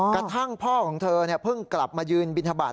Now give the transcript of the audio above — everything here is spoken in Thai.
กระทั่งพ่อของเธอเพิ่งกลับมายืนบินทบาท